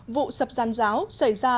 vụ sập gian giáo xảy ra